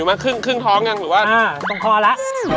อ่าตรงคอละ